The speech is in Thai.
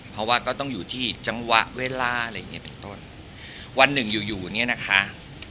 เพราะว่าก็ต้องอยู่ที่จังหวะเวลาอะไรอย่างเงี้เป็นต้นวันหนึ่งอยู่อยู่เนี่ยนะคะ